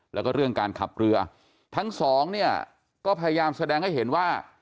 แล้วก็เรื่องการขับเรือทั้งสองเนี่ยก็พยายามแสดงให้เห็นว่า